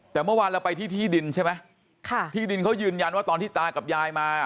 แต่เมื่อวานเราไปที่ที่ดินใช่ไหมค่ะที่ดินเขายืนยันว่าตอนที่ตากับยายมา